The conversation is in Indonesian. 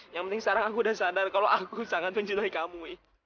yang penting sekarang aku udah sadar kalau aku sangat mencintai kamu